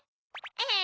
え！